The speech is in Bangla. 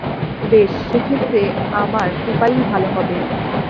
বেশ, সেক্ষেত্রে আমার উপায়ই ভালো হবে।